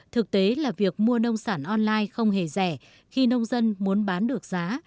thực tế là việc mua nông sản online không hề rẻ khi nông dân muốn bán được giá